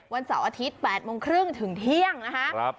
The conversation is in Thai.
วันเสาร์อาทิตย์๘โมงครึ่งถึงเที่ยงนะคะ